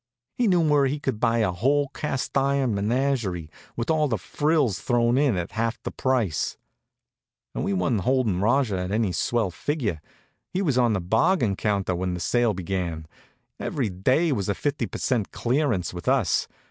He knew where he could buy a whole cast iron menagerie, with all the frills thrown in, at half the price. And we wa'n't holding Rajah at any swell figure. He was on the bargain counter when the sale began. Every day was a fifty per cent. clearance with us.